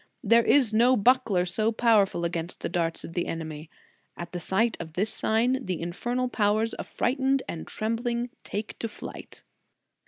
2O2 The Sign of the Cross There is no buckler so powerful against the darts of the enemy. At the sight of this sign, the infernal powers, affrighted and trembling, take to flight."